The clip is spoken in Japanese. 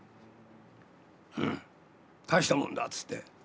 「うん大したもんだ」つって。